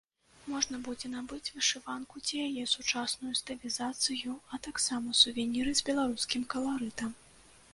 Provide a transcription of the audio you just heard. Можна будзе набыць вышыванку ці яе сучасную стылізацыю, а таксама сувеніры з беларускім каларытам.